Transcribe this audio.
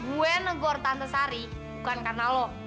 gue negor tante sari bukan karena lo